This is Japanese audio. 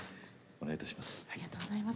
お願いいたします。